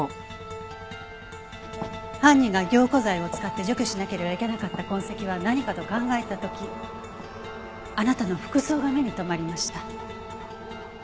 犯人が凝固剤を使って除去しなければいけなかった痕跡は何かと考えた時あなたの服装が目に留まりました。